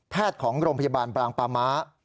แพทย์ของโรงพยาบาลบางปลาม้า